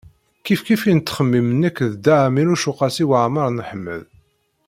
Kifkif i nettxemmim nekk d Dda Ɛmiiruc u Qasi Waɛmer n Ḥmed.